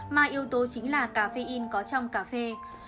mà yếu tố chính là cà phê in có trong cà phê